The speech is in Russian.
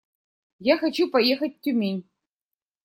Я хочу поехать в Тюмень.